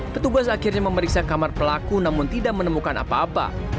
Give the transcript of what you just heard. petugas akhirnya memeriksa kamar pelaku namun tidak menemukan apa apa